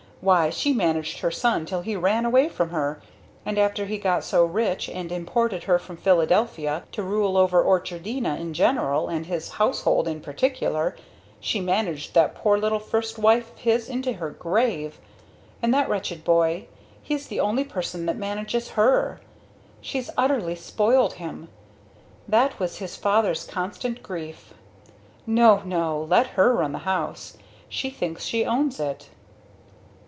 Why she managed her son till he ran away from her and after he got so rich and imported her from Philadelphia to rule over Orchardina in general and his household in particular, she managed that poor little first wife of his into her grave, and that wretched boy he's the only person that manages her! She's utterly spoiled him that was his father's constant grief. No, no let her run the house she thinks she owns it."